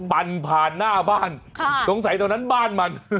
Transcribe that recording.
ปั่นผ่านหน้าบ้านตรงไศตลอดนั้นบ้านมัน